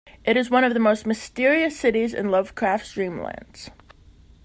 It is one of the most mysterious cities in Lovecraft's Dreamlands.